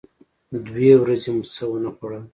دوې ورځې مو څه و نه خوړل.